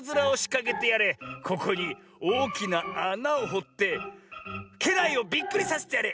ここにおおきなあなをほってけらいをびっくりさせてやれ！